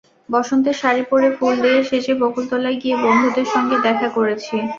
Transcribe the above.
বসন্তের শাড়ি পরে ফুল দিয়ে সেজে বকুলতলায় গিয়ে বন্ধুদের সঙ্গে দেখা করেছি।